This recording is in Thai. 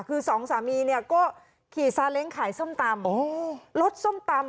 คือสองสามีเนี่ยก็ขี่ซาเล้งขายส้มตำรถส้มตำ